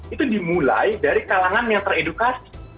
itu dimulai dari kalangan yang teredukasi